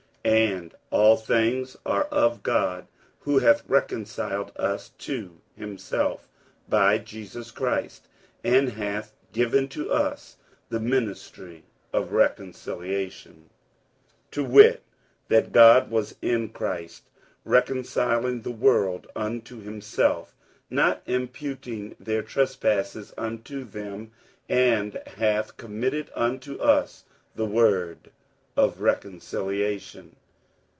47:005:018 And all things are of God, who hath reconciled us to himself by Jesus Christ, and hath given to us the ministry of reconciliation; 47:005:019 To wit, that God was in Christ, reconciling the world unto himself, not imputing their trespasses unto them; and hath committed unto us the word of reconciliation.